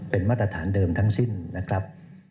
เป็นมาตรฐานเดิมทั้งสิ้นนะครับ